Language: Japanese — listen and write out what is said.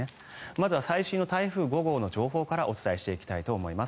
まずは最新の台風５号の情報からお伝えしていきたいと思います。